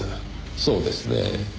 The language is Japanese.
そうですね。